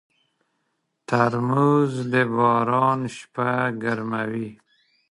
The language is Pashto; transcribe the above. ترموز د باران شپه ګرموي.